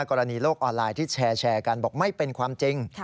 กรณีโลกออนไลน์ที่แชร์กันบอกไม่เป็นความจริง